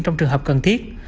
trong trường hợp cần thiết